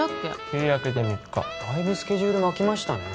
日明けて３日だいぶスケジュール巻きましたね